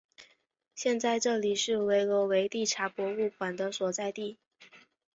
现在这里是维罗维蒂察博物馆的所在地。